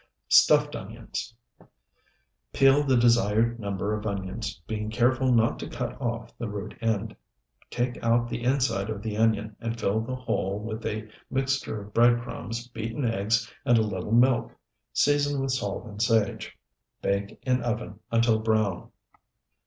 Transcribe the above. STUFFED ONIONS Peel the desired number of onions, being careful not to cut off the root end. Take out the inside of the onion and fill the hole with a mixture of bread crumbs, beaten egg, and a little milk. Season with salt and sage. Bake in oven until brown.